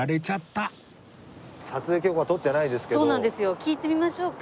聞いてみましょうか。